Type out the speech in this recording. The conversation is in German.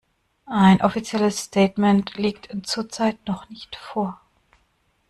Ein offizielles Statement liegt zurzeit noch nicht vor.